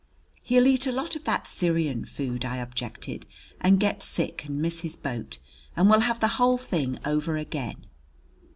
"He'll eat a lot of that Syrian food," I objected, "and get sick and miss his boat, and we'll have the whole thing over again!"